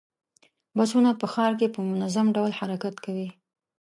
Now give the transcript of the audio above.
بسونه په ښار کې په منظم ډول حرکت کوي.